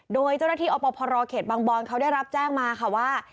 โดยเจ้าหน้าที่อพรเขตบางบอนเขาได้รับแจ้งมาค่ะว่า